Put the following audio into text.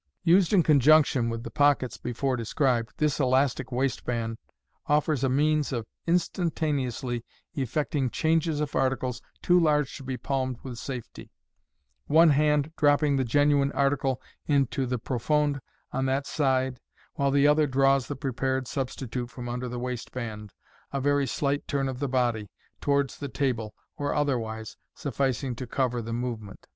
Used in conjunction with the pockets before described, this elastic waistband affords a means of instan taneously effecting "changes " of articles too large to be palmed with 10 MODERN MAGIC. safety j one hand dropping the genuine article into the profonde on that side, while the other draws the prepared substitute from under the waistband, a very slight turn of the body, towards the table of otherwise, sufficing to cover the movement.